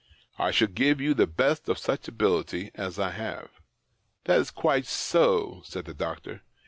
I should give you the best of such ability as I have." " That is quite so," said the doctor.